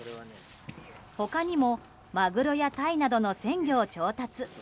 他にもマグロやタイなどの鮮魚を調達。